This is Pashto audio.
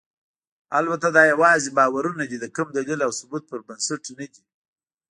البته دا یواځې باورونه دي، د کوم دلیل او ثبوت پر بنسټ نه دي.